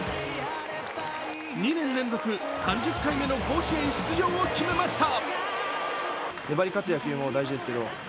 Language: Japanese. ２年連続３０回目の甲子園出場を決めました。